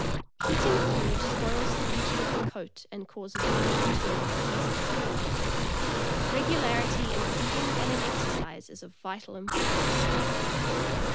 Heat ing food spoils the beauty of the coat, and causes many internal diseases. Regularity in feeding and in exercise is of vital importance.